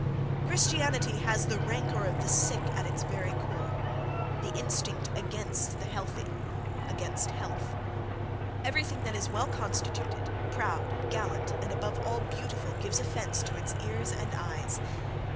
Christianity has the rancour of the sick at its very core—the instinct against the healthy, against health. Everything that is well constituted, proud, gallant and, above all, beautiful gives offence to its ears and eyes.